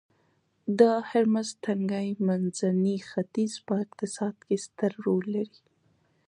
د هرمرز تنګی منځني ختیځ په اقتصاد کې ستر رول لري